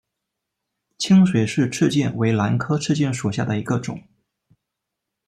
清水氏赤箭为兰科赤箭属下的一个种。